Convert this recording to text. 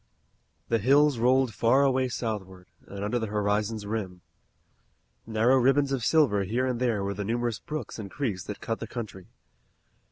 The hills rolled far away southward, and under the horizon's rim. Narrow ribbons of silver here and there were the numerous brooks and creeks that cut the country.